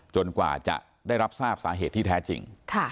กว่าจะได้รับทราบสาเหตุที่แท้จริง